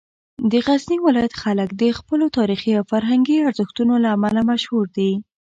د غزني ولایت خلک د خپلو تاریخي او فرهنګي ارزښتونو له امله مشهور دي.